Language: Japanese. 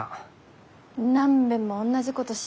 何べんもおんなじことし